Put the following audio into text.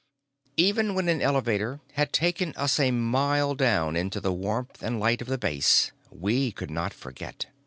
Even when an elevator had taken us a mile down into the warmth and light of the base, we could not forget.